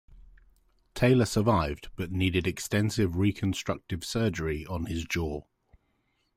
Taylor survived, but needed extensive reconstructive surgery on his jaw.